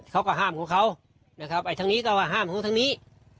เขาก็ห้ามของเขานะครับไอ้ทางนี้ก็ว่าห้ามของทางนี้